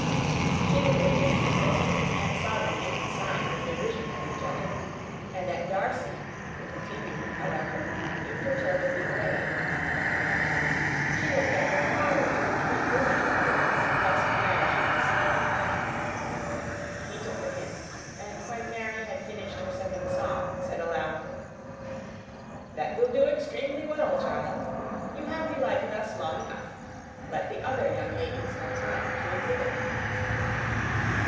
She looked at his two sisters, and saw them making signs of derision at each other, and at Darcy, who continued, however, impenetrably grave. She looked at her father to entreat his interference, lest Mary should be singing all night. He took the hint, and, when Mary had finished her second song, said aloud, "That will do extremely well, child. You have delighted us long enough. Let the other young ladies have time to exhibit."